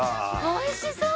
おいしそう！